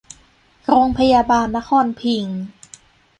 โรงพยาบาลนครพิงค์